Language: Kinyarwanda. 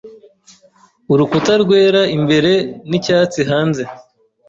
Urukuta rwera imbere n'icyatsi hanze.